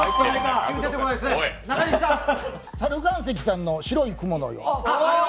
猿岩石さんの「白い雲のように」。